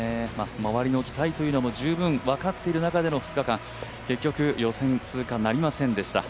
周りの期待というのも十分分かっている中での２日間結局、予選通過にはなりませんでした。